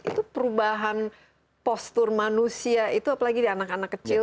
itu perubahan postur manusia itu apalagi di anak anak kecil